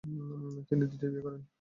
তিনি দ্বিতীয় বিয়ে করেন।